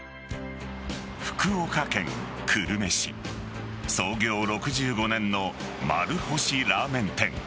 福岡県久留米市創業６５年の丸星ラーメン店。